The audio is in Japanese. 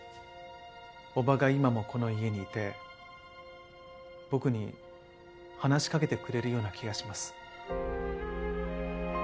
叔母が今もこの家にいて僕に話しかけてくれるような気がします。